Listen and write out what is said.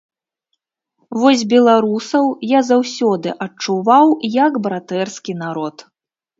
Вось беларусаў я заўсёды адчуваў як братэрскі народ.